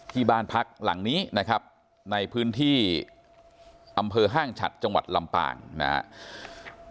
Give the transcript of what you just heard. ที่บ้านพักหลังนี้นะครับในพื้นที่อำเภอห้างฉัดจังหวัดลำปางนะครับ